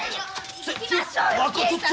行きましょうよ警察へ！